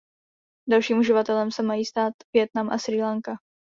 Dalším uživatelem se mají stát Vietnam a Srí Lanka.